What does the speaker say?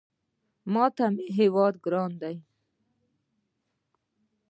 ماته مې هېواد ګران دی